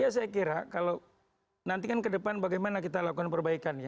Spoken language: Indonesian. ya saya kira kalau nanti kan ke depan bagaimana kita lakukan perbaikan ya